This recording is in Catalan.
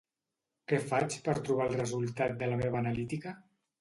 Què faig per trobar el resultat de la meva analítica?